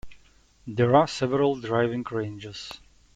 There are several driving ranges.